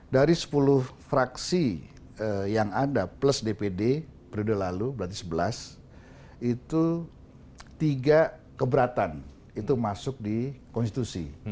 dari sepuluh fraksi yang ada plus dpd periode lalu berarti sebelas itu tiga keberatan itu masuk di konstitusi